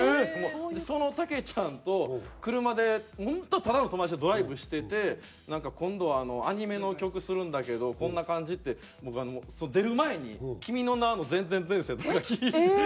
その武ちゃんと車で本当ただの友達でドライブしてて「今度アニメの曲するんだけどこんな感じ」って出る前に『君の名は。』の『前前前世』とか聴いて。